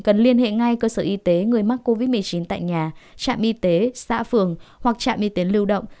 cần liên hệ ngay cơ sở y tế người mắc covid một mươi chín tại nhà trạm y tế xã phường hoặc trạm y tế lưu động